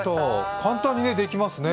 簡単にできますね。